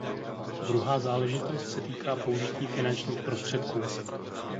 Druhá záležitost se týká použití finančních prostředků.